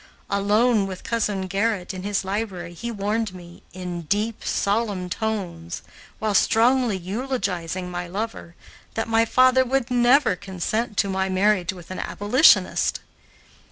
Alone with Cousin Gerrit in his library he warned me, in deep, solemn tones, while strongly eulogizing my lover, that my father would never consent to my marriage with an abolitionist.